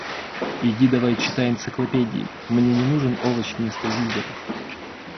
Иди давай читай энциклопедии, мне не нужен овощ вместо юзера.